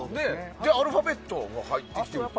じゃあアルファベットが入ってきてるのは。